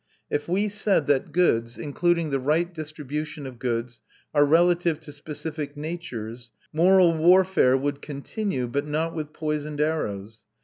If we said that goods, including the right distribution of goods, are relative to specific natures, moral warfare would continue, but not with poisoned arrows.